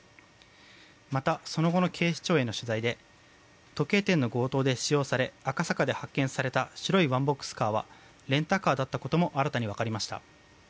また、その後の警視庁への取材で時計店の強盗で使用され赤坂で発見された白いワンボックスカーはレンタカーだったことも新たにわかりました。